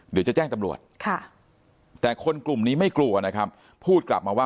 เดี๋ยวจะแจ้งตำรวจแต่คนกลุ่มนี้ไม่กลัวนะครับพูดกลับมาว่า